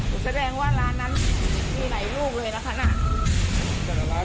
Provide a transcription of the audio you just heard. แสดงว่าร้านนั้นมีหลายลูกเลยนะคะน่ะ